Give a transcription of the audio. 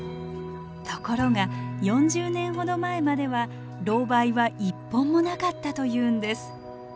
ところが４０年ほど前まではロウバイは１本もなかったというんです。